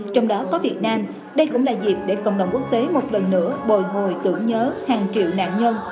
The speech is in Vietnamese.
trong đó có việt nam đây cũng là dịp để cộng đồng quốc tế một lần nữa bồi hồi tưởng nhớ hàng triệu nạn nhân